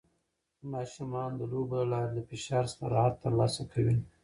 ماشومان د لوبو له لارې له فشار څخه راحت ترلاسه کوي.